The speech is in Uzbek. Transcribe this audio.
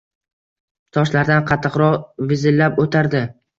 Toshlardan qattiqroq vizillab o‘tardi.